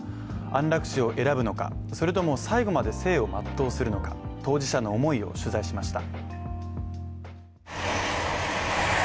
安楽死を選ぶのかそれとも最後まで生を全うするのか、当事者の思いを取材しました。